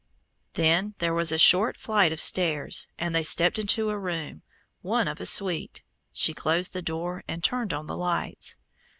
Then there was a short flight of stairs, and they stepped into a room, one of a suite. She closed the door and turned on the lights.